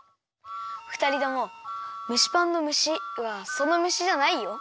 ふたりとも蒸しパンの「むし」はその「むし」じゃないよ。